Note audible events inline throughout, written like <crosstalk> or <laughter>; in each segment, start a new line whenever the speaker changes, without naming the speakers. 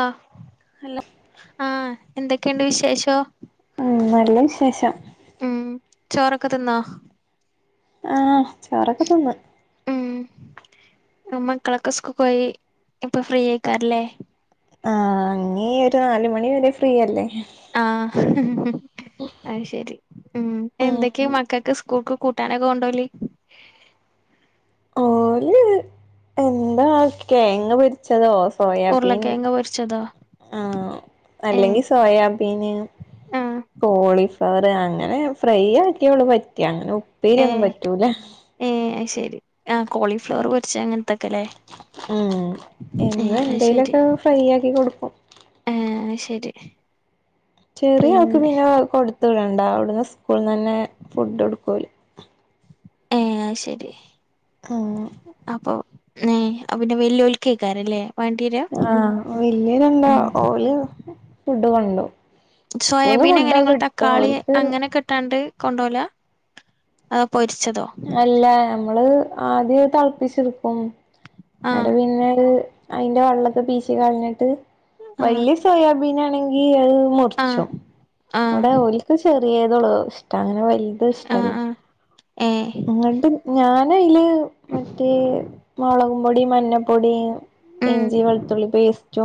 അ
hello
ആഹ് എന്തൊക്കെണ്ട് വിശേഷോ?
ഉം നല്ല വിശേഷം
ഉം ചോറൊക്കെ തിന്നോ?
ആ ഹ് ചോറൊക്കെ തിന്ന്
ഊമ് മക്കളൊക്കെ സ്കുക്കൊയി ഇപ്പൊ ഫ്രീയയിക്കാരല്ലേ
ആ ഇഞ്ഞി ഒരു നാല് മണി വരെ ഫ്രീയല്ലേ
ആഹ് ഹ് ഹ് ഹ് ഹ അയ് ശെരി. ഉം.
ഉം
എന്തൊക്കെയ മക്കൾക്ക് സ്കൂൾക്ക് കൂട്ടാനൊക്കെ കൊണ്ടോകല്
<unintelligible> എന്താ കേങ്ങ് പൊരി ച്ചതോ സോയാബീൻ
ഉരുളക്കിഴങ്ങ് പൊരിച്ചതോ
ആ
ഏഹ്
അല്ലെങ്കിൽ സോയാബ് അയ്ന്
ആഹ്
കോളിഫ്ലവർ അങ്ങനെ ഫ്രൈ ആക്കിയുള്ളു പറ്റാ അങ്ങനെ പീ രെ ഒന്നും പറ്റൂല്ല
ഏ അത് ശെരി ആ കോളിഫ്ലവർ പൊരിച്ച് അങ്ങനത്തൊക്കെല്ലേ
ഉം
ഏ
എന്നും
അത് ശെരി
എന്തേലൊക്കെ ഫ്രൈ ആക്കി കൊടുക്കും
ഉം അത് ശെരി.
ചെറിയാൾക്ക് പിന്നെ കൊടുത്തു വിടണ്ട, അവിടുന്ന് സ്കൂളിൽ നിന്ന് തന്നെ ഫുഡ് കൊടുക്കൂലേ.
ആഹാ അത് ശെരി.
അങ്ങനെ.
അപ്പോ പിന്നെ വെല്ലിയൊൽക്- ക്കാറല്ലേ വണ്ടീവേര?
ആ വലിയരന്ണ്ട, ഓല് ഫുഡ് കൊണ്ടുപോവും.
സോയാബീൻ എങ്ങനെ? നിങ്ങള് തക്കാളി
ഓൽക്ക്
അങ്ങനെകിട്ടാണ്ട്- കൊണ്ടോല, അതോ പൊരിച്ചതോ?
അല്ല നമ്മള് ആദ്യം തിളപ്പിച്ചടുക്കും.
ആഹ്
എന്നട്ട് പിന്നെ അതിന്റെ- വെള്ളമൊക്കെ പീച്ച് കളിഞ്ഞിട്ട്
ആഹ്
വലിയ സോയാബീൻ ആണെങ്ക- ത്
ആഹ്
മുറിച്ചും
ആഹ്
അവിടെ ഓലക്ക് ചെറിയതള്ളൂ ഇഷ്ട അങ്ങനെ.
ആഹ ആഹാ...
അങ്ങട്ട് ഞാന അതില് മറ്റേ മുളകും, പൊടി മഞ്ഞപ്പൊടി-
ഉം
ഇഞ്ചി, വെളുത്തുള്ളി പേസ്റ്റ്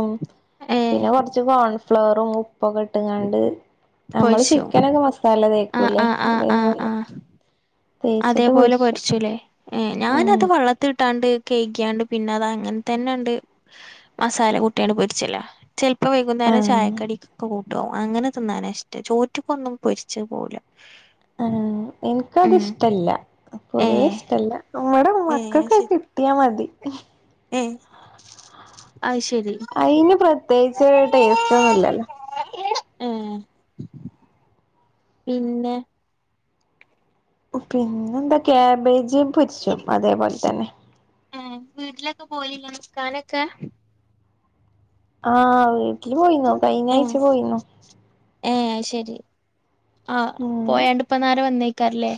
ഏഹ്
പിന്നെ കൊറച്ച് കോൺഫ്ലറും- ഉപ്പ കെട്ടുംങ്ങാണ്ട് നമ്മള്,
പൊരിച്ചു
ചിക്കനൊക്കെ മസാല
ആഹ്
തേക്കൂല്ലേ?
ആഹ് ആഹ് ആഹ്
അതേപോലെ.
ആഹ്
തേച്ചിട്ട്
അതേപോലെ
പൊരിച്ചു
പൊരിച്ചൂല്ലേ? ഹേ
ഉം
ഞാനഅത് വള്ളത്തി ഇട്ടാണ്ട്- കേഴക്കാണ്ട് പിന്നെ അത് അങ്ങനെ തന്നെയുണ്ട്- മസാല കുട്ടിയാണ് പൊരിച്ചില്ല, ചിലപ്പോ വൈകുന്നേരം
ആഹ്
ചായക്കട- കൂട്ട്കും അങ്ങനെ തിന്നാന ഇഷ്ടം. ചോറ്റക്ക ഒന്നും പൊരിച്ച് പോല.
ആഹാ എനിക്കത്ഷ്ടല്ല പൊതുവേ
ഏഹ്
ഇഷ്ടമല്ല. നമ്മുടെ മക്കൾക്ക കി- ത്തിയാ മതി.
ഹേ ആ ശരി.
അയിന് പ്രത്യേകിച്ച് ടേസ്റ്റ് ഒന്നുംല്ലല്ലോ.
<unintelligible> പിന്നെ...
പിന്നെന്താ കാക്ബേജും പൊരിചും. അതേപോലെ തന്നെ.
ആഹാ വീട്ടിലൊക്കെ പോലില്ലേ നികാനൊക്കെ?
ആഹ വീട്ടിൽ പോയിന്നു കഴിഞ്ഞ
ഏ
ആഴ്ച പോയിന്നു.
ഏ ശരി ആ
ഉം
പോയാണ്ട് ഇപ്പ നേരേ വന്നേക്കാല്ലേ?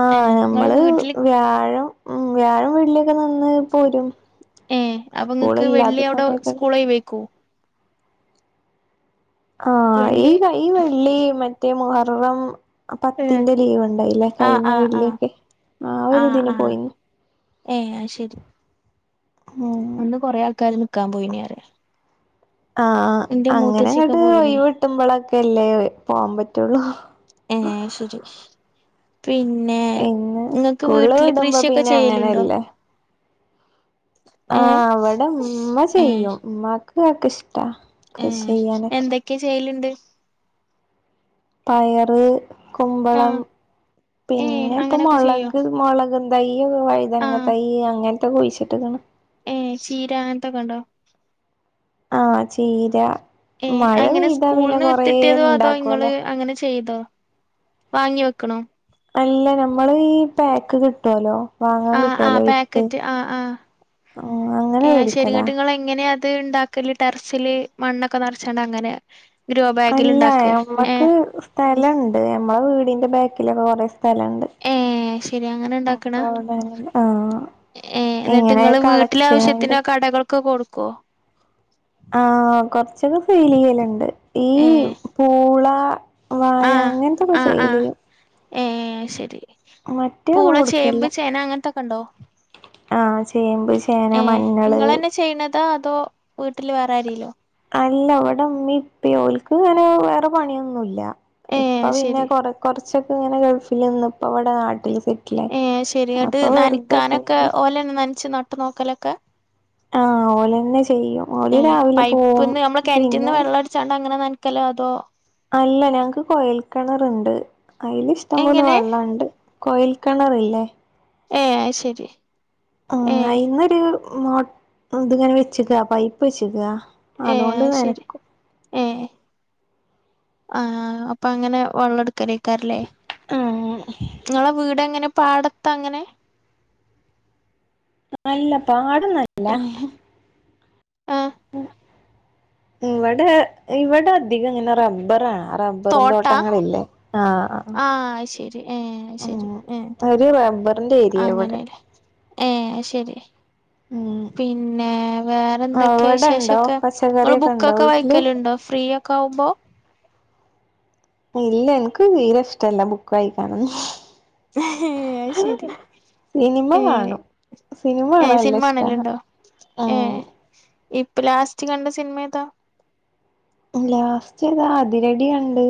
ആഹ
നിങ്ങള്
നമ്മള്
വീട്ടില്
വ്യാഴം ഉം വ്യാഴം, വെള്ളി ഒക്കെ നിന്ന് പോരും.
ഏ അപ്പോ
സ്കൂള്
നിങ്ങൾക്ക്
ഇല്ലാത്ത
വെള്ളി- അവിടെ
സമയത്തൊക്കെ
സ്കൂള് ഒയിവായിരിക്കും?
ആഹ ഈ
വെള്ളി
കൈ വെള്ളി മറ്റേ മുഹറം-
ഏ
പത്തിന്റെ ലീവ് ഉണ്ടായില്ലേ?
ആ
കഴിഞ്ഞ
ആ ആ
വെള്ളിക്കെ ആ ഒ ഒരുരിതിന് പോയിരുന്നു.
ഏയ് ശരി.
മം.
കുറേ ആൾക്കാര് നിക്കാൻ പോയിന് പറയാ.
ആഹ
എന്റെ
അങ്ങനെ
മൂത്തച്ചിയൊക്കെ
അങ്ങോട്ട്
പോയിനി
ഒയിവ്- കിട്ടുമ്പോളൊക്കെ അല്ലേ പോവാൻ പറ്റുള്ളു.
ഏ ശരി. പിന്നെ
ഇന്ന്
നിങ്ങക്ക്
സ്കൂളില്
വീട്ടില്-
വിടുമ്പോ
കൃഷിയൊക്കെ
പിന്നെ
ചെയ്യലുണ്ടോ?
അങ്ങനെയല്ലേ
ഏഹ്
ആഹ അവിടെ ഉമ്മ
ഏ
ചെയ്യും, ഉ്മ്മക്ക് ഒക്കെ ഇഷ്ടാ.
ഏ
കൃഷി ചെയ്യാനൊക്കെ
എന്തൊക്കെയ ചെയലുണ്ട്?
പയറ്,
ആ
കുമ്പളം,
ഏ
പിന്നെ പ്പോ
അങ്ങനൊക്കെ ചെയ്യോ
മുളക്, മുളകും- തൈയൊക്കെ,
ആ
വഴുതനങ്ങ തൈ്യ അങ്ങനെ. കുയിച്ച് ഇട്ട്കാണ്.
ഏ ചീര അങ്ങനത്തൊക്കെ ഉണ്ടോ?
ആഹ ചീര.
ഏ
മഴ
അങ്ങനെ
പെയ്താ പിന്നെ
സ്കൂളന്ന്
കൊറേ
വിത്തിട്ടിയതോ? അതോ ഇങ്ങള്
ഇണ്ടാക്കോലോ
അങ്ങനെ ചെയ്തോ? വാങ്ങി വെക്കണോ?
അല്ല നമ്മള് ഈ പാക്ക് കിട്ടുവല്ലോ? വാങ്ങാൻ
ആ ആ
കിട്ടുവല്ലോ വിത്ത്.
പാക്കറ്റ് ആ ആ
ഉ അങ്ങനെ മേടിക്കല.
ഇങ്ങനെ അത് ണ്ടാക്കല് ടെർസില് മണ്ണൊക്കെ ന്നർച്ചാണ്ട് അങ്ങനെ. ഗ്രോ ബാഗിൽ
അല്ല
ഇണ്ടാക്കേ ഏ
നമ്മക്ക് സ്ഥലണ്ട് മ്മൾ വീടിന്റെ ബാക്കിലൊക്കെ കൊറെ സ്ഥലണ്ട്.
അഹ് ശെരി അങ്ങനെ ണ്ടാക്ക്ണ?
അപ്പൊ അവിടെ ആഹ്
ഏഹ് ന്നിട്ട്
ഇങ്ങനെ
ങ്ങള്
കളച്ച്ങ്ങാണ്ട്
വീട്ടിലാവശ്യത്തിന് കടകൾക്ക് കൊട്ക്കോ?
ആഹ് കൊർച്ചക്കെ ഫീലയ്യല്ണ്ട് ഈ
ഏ
പൂള. വാഴ അങ്ങൻത്തക്ക സെയിലെയും
ഏഹ് ശരി പൂള,
മറ്റേതൊന്നും
ചേമ്പ്,
കൊടുക്കലില്ല
ചേന അങ്ങൻത്തക്കെ ണ്ടോ?
ആഹ് ചെമ്പ്, ചേന, മഞ്ഞള്
താ അതോ വീട്ട്ൽ വേറെ ആരേലോ?
അല്ല ഇവടെ ഇമീംപ്പീ ഓൽക്ക് ങ്ങനെ വേറെ പണിയൊന്നുംല്ല
ഏ
ഇപ്പ പിന്നെ
ശരി
കൊറ കൊർച്ചക്കെ ഇങ്ങനെ ഗൾഫിൽ ന്ന് പ്പ വടെ നാട്ടിൽ സെ
ഏഹ് ശരി ങ്ങട്ട് നൻക്കാനൊക്കെ
ഇങ്ങനെ
ഓലെന്നെ നൻച്ച് നട്ട് നോക്കലക്കെ?
ആഹ് ഓലന്നെ ചെയ്യും ഓൽ രാവിലെ പോവും പിന്നെ.
ച്ചാണ്ട് അങ്ങനെ നൻക്കലോ അതോ?
അല്ല ഞങ്ങക്ക് കൊയൽക്കണർണ്ട് അയ്ൽ ഇഷ്ടംപോലെ
എങ്ങനെ
വള്ളണ്ട്. കൊയൽ കിണർല്ലേ?
ഏഹ് അഹ്ശരി
ആഹ് അയിന്നൊരു മോ ഇത്ങ്ങനെ വെച്ചക്ക പൈപ്പ് ച്ചക്കാ. അതോണ്ട് നനക്കും
ഏഹ് ആഹ് അപ്പ ങ്ങനെ വള്ളം എട് കരക്കാരല്ലേ
ഉം
ങ്ങളെ വീടങ്ങനെ പാട ത്തങ്ങനെ
അല്ല പാടന്നല്ല
ആഹ്
ഉം ഇവടെ ഇവടെ അധികങ്ങനെ റബ്ബറാ റ
തോട്ടാ
ബറുംന്തോട്ടങ്ങള്ല്ലേ ആഹ് അഹ്
ആ ശരി ഏ ശരി
ആഹ്
ഏ
ആഹ് ഒരു റബർന്റെ ഏരിയ ഇവടെ.
ഏഹ് അഹ്ശരി
ഉം
പിന്നെ വേറെ എന്തൊക്കെ വിശേഷ
അവിടെണ്ടോ
ഒക്കെ ങ്ങൾ
പച്ചക്കറിയൊക്കെ ഉണ്ടോ
ബുക്കൊക്കെ
വീട്ടില്
വായിക്കല്ണ്ടോ? ഫ്രീയക്ക ആവുമ്പോ?
ഇല്ല ഇൻക്ക് തീരേ ഇഷ്ടല്ല ബുക്ക് വായിക്കാനൊന്ന്
ഏഹ് അഹ്ശെരി
സിനിമ
ഏഹ്
കാണും സിനിമ
ഏഹ്
കാണാൻ നല്ല
സിൻമ
ഇഷ്ടാ
ആണല്ണ്ടോ? ഏഹ്
ഉം
ഇപ്പ ലാസ്റ്റ് കണ്ട സിൻമേതാ?
ലാസ്റ്റ് ഏതാ അതിരഡി കണ്ട്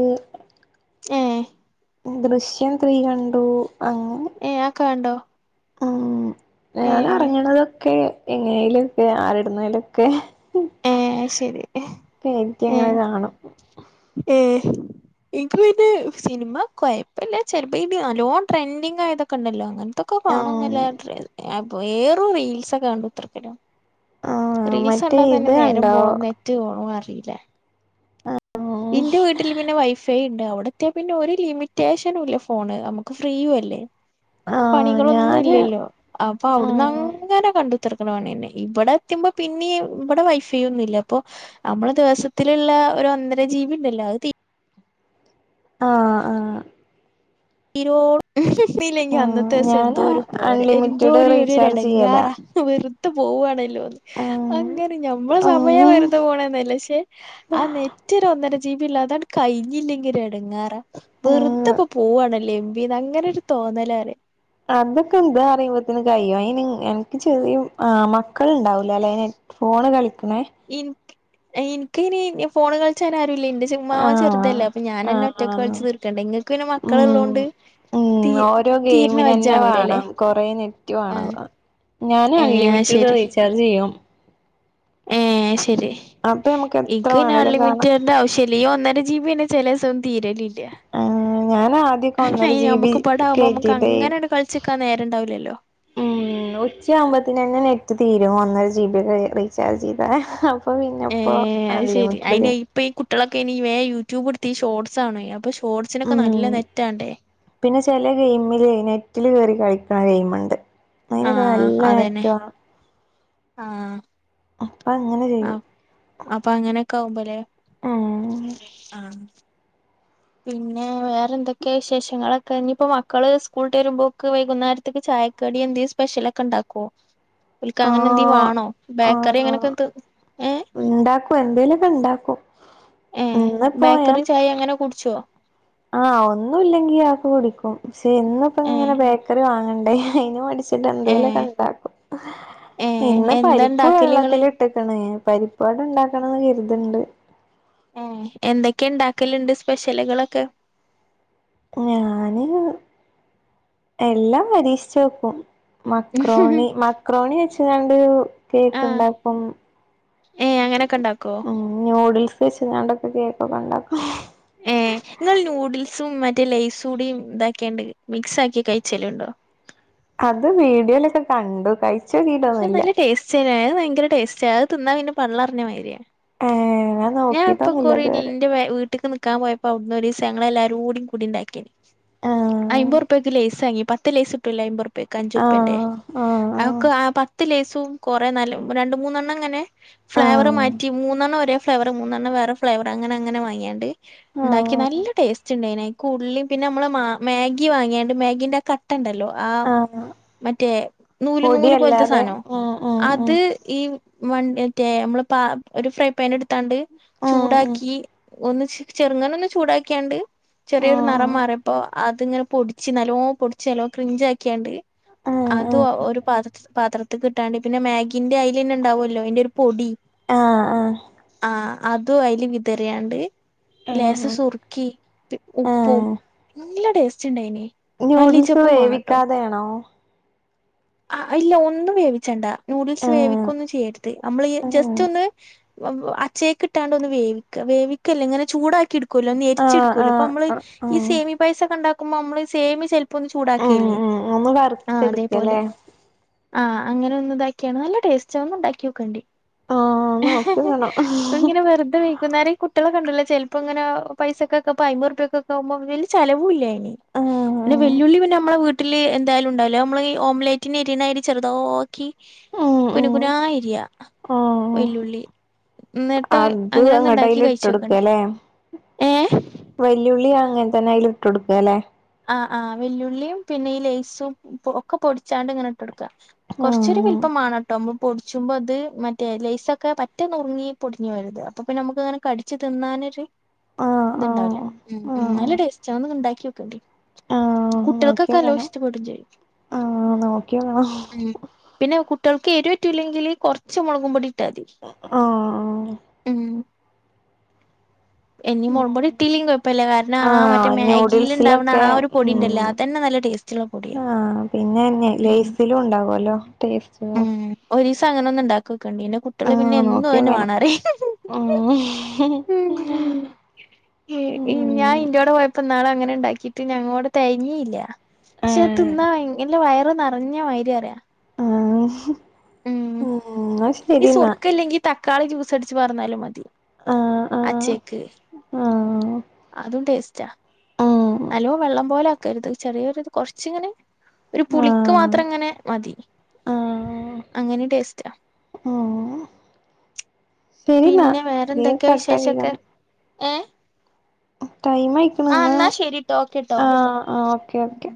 ഏഹ്
ദൃശ്യം ത്രീ കണ്ടു അങ്ങനെ
ഏഹ് അഹക്ക കണ്ടോ?
ആഹ് ഞാൻ
ഏഹ്
എറങ്ങണതൊക്കെ എങ്ങനെലൊക്കെ ആരെടുന്നലൊക്കെ
ഏഹ് ഏഹ് അത് ശരി
കേറ്റിങ്ങനെ
ഏഹ്
കാണും.
ഏഹ് ഇൻക്ക് പിന്നെ സിനിമ കൊഴപ്പല്ല ചെൽപ്പോ ഇടി നല്ലോ ട്രെൻഡിങ് ആയതൊക്കെണ്ടല്ലോ അങ്ങൻ ഇതൊക്കെ
ആഹ്
കാണുന്നല്ലാതെ ട്രെ ഏറും റീൽസൊക്കെ കണ്ടുത്ത്രക്കലാ.
ആഹ്
റീൽസ
മറ്റേ
ണ്ടാ തന്നെ
ഇത്
നേ
കണ്ടോ
റ്റ്പോണ അറില്ല
ഉം
ഇന്റെ വീട്ട്ൽ പിന്നെ വൈഫ്‌ ഫൈ ണ്ട് അഒടത്തിയാ പിന്നെ ഒരു ലിമിറ്റേഷനുംല്ലേ ഫോണ് മക്ക് ഫ്രീയും അല്ലേ.
ആഹ്
പണികളൊന്നും
ഞാന്
ഇല്ലല്ലോ അപ്പ
ഉം
അഒട്ന്നങ്‌ ങ്ങനെ കണ്ടുത്തർക്കണ പണി ന്നെ ഇബടെ എത്തുമ്പോ പിന്നീ ഇവടെ വൈ ഫൈ ഒന്നില്ല അപ്പോ നമ്മള് ദിവസത്തില്ള്ള ഒരു ഒന്നര ജീബി ണ്ടല്ലോ അഹ് തീ
ആഹ് ആഹ്
തിരോ കിട്ടീല്ലെങ്കിൽ
ഉം
അന്നത്തെസം എന്തോ
ഞാന്
ഒരു പോരെ
അൺലിമിറ്റഡ്
എര്ന്തോര് ഒര്
റീചാർജ് ചെയ്യലാ
എടങ്ങാറാ വെർതെ പോവാണല്ലോന്ന്
ഉം
അങ്ങനെ ഞമ്മളെ സമയം
ഉം
വെറ് ർതെപോണ്ന്നെല്ല ക്ഷെ ആ നെന്റെരു ഒന്നര ജീബിള്ളതാങ്ങട്ട് കഴിഞ്ഞില്ലെങ്കി ഒരെടങ്ങേറാ വെർതെ ഇപ്പൊ പോവാണല്ലേ എംബിന്ന് അങ്ങനൊര് തോന്നലാണ്
അതൊക്കെ ഇതാ അറിയുമ്പോതിന് കഴിയും അയിന് അൻക്ക് ചെറിയ ആഹ് മക്കള്ണ്ടാവൂലലേ ഫോണ് കളിക്ക്ണെ
ഇൻക്ക് ഇൻക്കയിന് ഫോണ് കൾചാനാരൂല്ലെ ഇന്റെ ചെർ ചുമ്മാ അവൻ
ആഹ്
ചെർതല്ലെ അപ്പൊ ഞാനന്നെ ഒറ്റക്ക്
ആഹ്
കൾച്ച് തീർക്കണ്ടെ ഇങ്ങക്ക് പിന്നെ മക്കള്
ഉം
ള്ളോണ്ട്
ഉം ഓരോ ഗെയിമിനന്നെ വേണം കൊറെ നെറ്റ് വാണം
ആഹ്
ഞാന്
ഏഹ്
അൺലിമിറ്റഡ്
ശരി
റീചാർജ് ചെയ്യും
ഏഹ് ശരി
അപ്പൊ നമുക്ക് എത്ര
ഇക്ക് പിന്നെ
വേണേലും കാണാം
അൺലിമിറ്റട്ന്റെ ആവശ്യ ശ്യല്ല ഈ ഒന്നര ജി ബി ന്നെ ചെലേസം ഒന്നും തീരലില്ല
ആഹ് ഞാൻ ആദ്യൊക്കെ ഒന്നര ജി ബി
നമുക്ക് ബടെആക്മ്പോ നമുക്ക്
കേറ്റിട്ടേ
അങ്ങനെൺ കളിച്ച്ക്കാൻ നേരംണ്ടാവൂല്ലല്ലോ
ഉം ഉച്ച ആവുമ്പോത്തിനന്നെ നെറ്റ് തീരും ഒന്നര ജി ബി ഒക്കെ റീചാർജ് ചെയ്താ അപ്പോ പിന്നെ ഇപ്പോ
ഏഹ് അത് ശെരി അയിന്
അൺലിമിറ്റഡന്നെണ്
ഇപ്പൊ ഈ കുട്ടളെക്കെ ഇനി വേം യൂട്യൂബ് ഇട്ത്തി ഷോർട്സ് കാണോയ് അപ്പൊഷോർട്സിനൊക്കെ നല്ല
ഉം
നെറ്റാണ്ടേ
പിന്നെ ചെല ഗെയിമിലെ നെറ്റില് കേറി കളിക്കണ ഗെയിമ്ണ്ട് അയിനൊക്കെ
ആഹ്
നല്ല
അതന്നെ
നെറ്റ് വേണം
ആഹ്
അപ്പ അങ്ങനെ ചെയ്യും
ആഹ് അപ്പൊ അങ്ങനെക്കെ ആവുമ്പല്ലെ
ഉം
ആഹ് പിന്നെ വേറെന്തൊക്കെ വിശേഷങ്ങളൊക്കെ ഞ്ഞിപ്പോ മക്കള് സ്കൂള്ട്ട് വരുമ്പോക്ക് വൈകുന്നേരത്ത്ക്ക് ചായ കടി എന്തേം സ്പെഷ്യലഒക്കെ ഇണ്ടാക്കോ ഓൽക്ക അങ്ങനെ എന്തീം
ആഹ്
വാണോ ബേക്കറി അങ്ങനെക്കെ ത്ത് ഏഹ്
ഉണ്ടാക്കും എന്തേലൊക്ക ഇണ്ടാക്കും
ഏഹ്
ഇന്ന്പ്പോ ഞാൻ
ബേക്കറിം ചായ അങ്ങനെ കുട്ച്ചോ
ആഹ് ഒന്നുല്ലെങ്കി അഅക്കെ കുടിക്കും പക്ഷെ എന്നും
ഏഹ്
ഇപ്പങ്ങനെ ബേക്കറി വാങ്ങണ്ടേ അയ്ന് മട്ച്ച് ച്ച്ട്ട്
ഏഹ്
എന്തേലാെക്കങ്ണ്ടാക്കും
ഏഹ്
ഇന്ന്
എന്താ
പരിപ്പ്
ഇണ്ടാക്കല് ഇങ്ങള്
വെള്ളത്തില് ഇട്ട്ക്ണ് പരിപ്പ് വടണ്ടാക്കണംന്ന് കര്ത്ണ്ട്
എഹ് എന്തെക്കെ ഇണ്ടാക്കല്ണ്ട് സ്പെഷ്യലുകളാെക്കെ
ഞാന് എല്ലാം പരീക്ഷിച്ചാേക്കും മക്രോണി മക്രോണെച്ച് കാണ്ട്
ആഹ്
കേക്ക്ണ്ടാക്കും
ഏഹ് അങ്ങനൊക്കെ ഇണ്ടാക്കോ
ഉം ന്യൂഡിൽസ് വെച്ച്കാണ്ടൊക്കെ കേക്കൊക്കെ ഇണ്ടാക്കും
ഏഹ് ഇങ്ങൾ നൂഡിൽസും മറ്റേ ലൈസൂടീം ഇതാക്ക്യാണ്ട് മിക്സ് ആക്കി കഴിച്ചല്ഇണ്ടോ
അത് വീഡിയോലൊക്കെ കണ്ടു കൈ
പക്ഷെ നല്ല ടേസ്റ്റ് തന്നെ ഭയങ്കര ടേസ്റ്റ് അഅ് തിന്നാ പിന്നെ പള്ളർഞ്ഞ മയ്ര്യാണ്
ഏഹ് ഞാൻ
ഞാ ഇപ്പൊ
നോക്കിട്ടൊന്നുല്ല
കുറേ ല്ല്
ഇതുവരെ
ഇന്റെ വേ വീട്ട്ക്ക് ന്ന്‌ക്കാൻ പോയപ്പോ അവ്ന്ന് ഒരീസ ഞങ്ങളല്ലാരൂടി കൂടി ഇണ്ടാക്കീനിം
ആഹ്
അയ്മ്പുർപ്യക്ക് ലെയ്സാങ്ങി പത്ത് ലെയ്സ് ഇട്ടൂലേ അയ്മ്പുർപ്യക്ക് അഞ്ചു ഉർപ്യന്റെ
ആഹ് ആഹ്
ക്ക് ആ പത്ത് ലൈസും കാെറേ നല്ല രണ്ട് മൂന്നെണ്ണം ഇങ്ങനെ ഫ്ലേവറ്
ആഹ്
മാറ്റി മൂന്നണ്ണം ഒരേ ഫ്ലേവറ് മൂന്നെണ്ണം വേറെ ഫ്ലേവറ് അങ്ങനെ അങ്ങനെ വാങ്ങിയാണ്ട് ഇണ്ടാക്കി
ആഹ്
നല്ല ടേസ്റ്റ് ഇണ്ടായിനെ അയ്ക്ക് ഉള്ളീം പിന്നെ അമ്മള് മാഗ് മേഗി വാങ്ങ്യാണ്ട് മാഗിൻ്റെ ആ കട്ടണ്ടല്ലോ ആഹ് മറ്റേ നൂല് നൂല് പോലത്തെ
പൊടിയല്ലാതെ
സാധനം
ഉം ഉം
അത്
ഉം
ഈ മൻ മറ്റേ അമ്മള് പാ ഒരു ഫ്രൈപാന് ഇട് ത്താണ്ട്
ഉം ഉം
ചൂടാക്കി ഒന്ന് ചെറുങ്ങന ഒന്ന് ചൂടാക്ക്യാണ്ട് ചെറിയൊരു
ഉം
നെറം മാറിയപ്പോ അത്ങ്ങനെ പൊടിച്ച് ന്നല്ലോ പൊടിച്ച് നല്ലോ ക്രിഞ്ച് ആാക്ക്യാണ്ട്
ഉം
അതാെ
ഉം ആഹ്
ഒര് പാത്ര പാത്രത്ത്ക്ക്ട്ടാണ്ട് പിന്നെ മാഗിന്റെ അയിലിന്നെ ബണ്ടാവോല്ലോ അയിന്റൊര് പൊടി
ആഹ്
ആഹ് അതും അയില് വിതറിയാണ്ട് ലേസ
ആഹ്
സുറുക്കി ഉപ്പും
ആഹ്
നല്ല ടേസ്റ്റ്ണ്ടായിനി മല്ലീച്ചപ്പും വേണട്ടോ
ഏണോ
ആഹ് ഇല്ല ഒന്നും വേവിച്ചണ്ടാ നൂഡിൽസ്
ആഹ്
വേവിക്കന്നും ചെയ്യരുത് നമ്മള് ജസ്റ്റ് ഒന്ന് വവ് അച്ചേക്ട്ടാണ്ട് ഒന്ന് വേവിക്ക വേവിക്കല്ലേ ഇങ്ങനെ ചൂടാക്കി എടു ക്കുല്ലോ
ആഹ്
നരിച്ചടുക്കല്ലോ ഇപ്പൊ
ആഹ്
നമ്മള്
ആഹ്
ഈ സേമി പൈസൊക്കെ ണ്ടാകുമ്പോ നമ്മ സേമി ചെ പ്പ ഒന്ന്
ഉം
ചൂടാക്കില്ലേ
ഉം ഒന്ന്
ആഹ് അതേപോലെ
വറുത്തെടുക്കല്ലേ
ആഹ് അങ്ങനെ ഒന്ന് ഇതാക്കിയാണ് നല്ല ടേസ്റ്റ് ഒന്ന് ണ്ടാക്കിയോക്കേണ്ടി
ആഹ് നോക്കിയോക്കണം ആഹ്
ഇങ്ങനെ വെറുതെ വൈകുന്നേര കു ട്ട്യോളോക്കണ്ടല്ലോ ചെൽപ്പോങ്ങനെ പൈസക്കെ പ്പോ അയ്മ്പൊർപ്യക്കെക്ക് ആവുമ്പ വല് ചലവൂല്ലായിന് പിന്നെ വെല്ലുളി പിന്നെ നമ്മെ വീട്ടില് എന്തായാലും ഉണ്ടാവല്ലോ നമ്മള് ഓംലറ്റിന് എരിയണയ്രി ചെറുതാ ക്കി
ഉം
കുന
ഉം
കുനാ എരിയ
ആഹ്
വെല്ലുള്ളി ന്നട്ട്
അത്
അങ്ങനൊന്ന്
അങ്ങട്ട്
ണ്ടാക്കി
അയില് ഇട്ട്
കഴിച്ചോക്കണ്ടി ഏഹ്
വല്ലുള്ളി അങ്ങൻ തന്നെ അയ്ൽ ഇട്ട് കൊടുക്കല്ലെ
ആഹ് ആഹ് വല്ലുള്ളിയും പിന്നെ ഈ ലേസും ഒക്കെ പൊടിച്ചാണ്ട് ങ്ങനെ ഇട്ട്ടുക്ക കൊറച്ചൊരു
ആഹ്
വില്പ്പമാണ്ണട്ടോ പൊടിച്ചുമ്പോ അത് മറ്റേ ലേസൊക്കെ പറ്റ ന്നുർങ്ങി പൊടിഞ്ഞോരുത് അപ്പൊ പിന്നെ നമുക്ക് അങ്ങനെ കടിച്ച് തിന്നാനൊരു
ആഹ്
തിന്നൻൊരു ഇത്ണ്ടാവില്ല
ആഹ്
ഉം
ആഹ്
നല്ല ടേസ്റ്റ് ഒന്ന്ങ്ങള് ണ്ടാക്ക്യോക്കണ്ടി
ആഹ്
കുട്ടിൾക്കൊക്കല്ലോം
നോക്കിയോക്കണം
ഇ്ടപ്പെടും ചെയ്യും
ആഹ് നോക്കിയോക്കണം
ഉം പിന്നെ കുട്ടിൾക്ക് എരുവറ്റുല്ലെങ്കില് കൊറച്ച് മുളകും പൊടി ഇട്ടാതി
ആഹ്
ഉം ഇനി മുഴ്പോടി ഇട്ടിലിം കുഴപ്പല്ല കാരണം ആ മറ്റേ
ആഹ്
മാഗിൽ ഇണ്ടാവുന്ന ആ
നൂഡിൽസിലൊക്കെ
ഒരു പൊടി ഉണ്ടല്ലേ
ഉം
അതന്നെ നല്ല ടേസ്റ്റ്
ആഹ് പിന്നെന്നെ ലേസിലും ഉണ്ടാാവല്ലോ ടേസ്റ്റ്ർ
ഉം ഒരീസം അങ്ങനൊന്ന് ഉണ്ടാക്കൊക്കെണ്ടി നെകു ട്ടിള് പിന്നെ
ആഹ്
എന്നും അഹ്ന്നെ
നോക്കിയോക്കണം
വേണോറി
ഉം
ഏഹ് ഇൻ ഞൻ
ഉം
ഇന്റോടെ പോയപ്പോ ന്നാള് അങ്ങനെ ണ്ടാക്കിട്ട് ഞങ്ങോട് തയിഞ്ഞില്ല ക്ഷെ
ആഹ്
തിന്നാ വൈ എന്റെ വയറ് നിറഞ്ഞ മായിരി അറിയ
ആഹ്
ഉം
എന്നാ
ഈ
ശരി എന്നാ
സ്വർക്കല്ലെങ്കി തക്കാളി ജ്യൂസ് അടിച്ച് പർന്നാലും മതി
ആഹ് ആഹ്
അച്ചക്ക്
ആഹ്
അതും ടേസ്റ്റാ
ഉം
നലോ വെള്ളം പോലു ഒക്കരുത് ചെറിയൊരു കൊർച്ചിങ്ങനെ ഒരു പുളിക്ക്
ആഹ്
മാത്രം ങ്ങനെ മതി
ആഹ്
അങ്ങനെ ടേസ്റ്റാ
ഉം ശരിെന്നാ
പിന്നെ
നീ
വേറെന്തൊക്കെയാ
കട്ടാക്കികാള
വിശേഷൊക്കെ ഏഹ്
ടൈമയി
ആഹ് ന്നാ ശരിട്ടോ ഓക്കെട്ടോ
ആഹ് ഓക്കെ
ഉം
ഓക്കെ